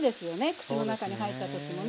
口の中に入った時もね。